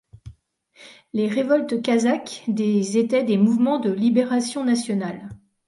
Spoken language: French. Les révoltes kazakhes des étaient des mouvements de libération nationale.